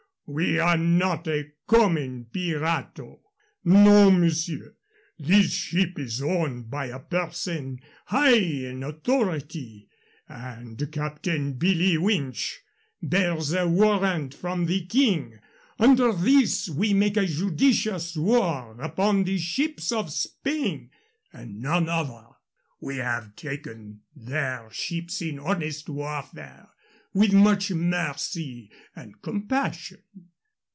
We are not a common pirato. No, monsieur. This ship is owned by a person high in authority, and Captain Billee Winch bears a warrant from the King. Under this we make a judicious war upon the ships of Spain and none other. We have taken their ships in honest warfare, with much mercy and compassion."